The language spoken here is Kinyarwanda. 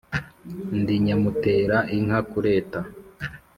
Ndi nyamutera inka kureta.